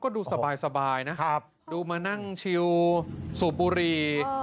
ก็ดูสบายสบายนะครับดูมานั่งชิวสูบบุหรี่เออ